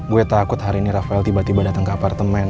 gue takut hari ini rafael tiba tiba datang ke apartemen